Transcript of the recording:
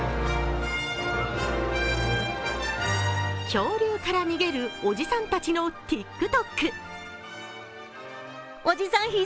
恐竜から逃げるおじさんたちのＴｉｋＴｏｋ。